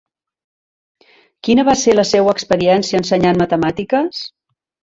Quina va ser la seua experiència ensenyant matemàtiques?